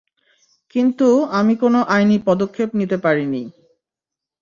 কিন্তু আমি কোনো আইনি পদক্ষেপ নিতে পারিনি।